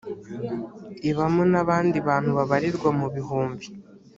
ibamo n abandi bantu babarirwa mu bihumbi